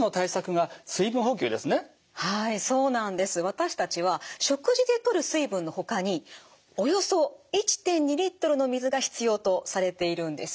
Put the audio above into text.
私たちは食事でとる水分のほかにおよそ１．２リットルの水が必要とされているんです。